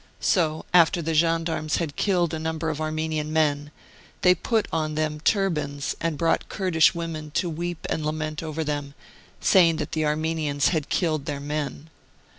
So after the gendarmes had killed a number of Armenian men, they put on them turbans and brought Kurdish women to weep and lament over them, saying that the Armenians had killed their men.